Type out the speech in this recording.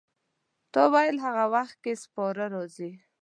تا ویل هغه وخت کې سپاره راځي.